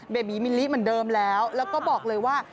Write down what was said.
เบบีมิลลิเหมือนเดิมแล้วแล้วก็บอกเลยว่า